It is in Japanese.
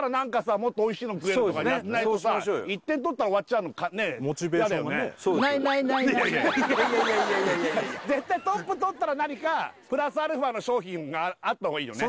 もっとおいしいの食えるとかないとさいやいやいやいや絶対トップとったら何かプラスアルファの商品があった方がいいよね？